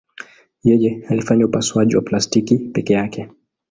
Yeye alifanya upasuaji wa plastiki peke yake.